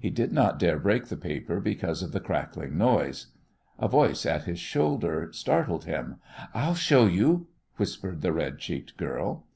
He did not dare break the paper because of the crackling noise. A voice at his shoulder startled him. "I'll show you," whispered the red cheeked girl.